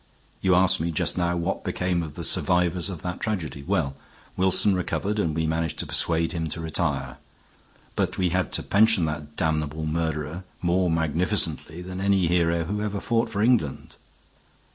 You asked me just now what became of the survivors of that tragedy. Well, Wilson recovered and we managed to persuade him to retire. But we had to pension that damnable murderer more magnificently than any hero who ever fought for England.